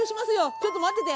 ちょっと待ってて。